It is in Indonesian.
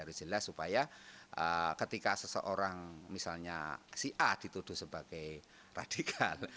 harus jelas supaya ketika seseorang misalnya si a dituduh sebagai radikal